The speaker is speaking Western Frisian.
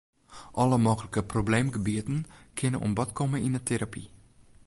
Alle mooglike probleemgebieten kinne oan bod komme yn 'e terapy.